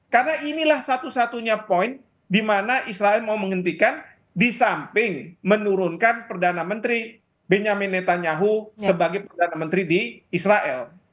karena inilah satu satunya poin di mana israel mau menghentikan di samping menurunkan perdana menteri benjamin netanyahu sebagai perdana menteri di israel